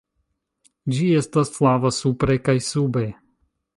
Ĝi estas flava supre kaj sube.